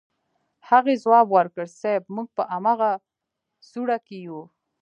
هغې ځواب ورکړ صيب موږ په امغه سوړه کې يو.